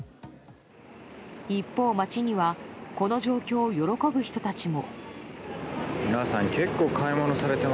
一方、街にはこの状況を喜ぶ人たちも。